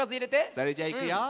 それじゃいくよ。